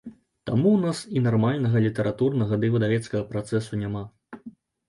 Таму ў нас і нармальнага літаратурнага ды выдавецкага працэсу няма.